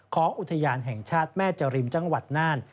อุทยานแห่งชาติแม่จริมจังหวัดน่าน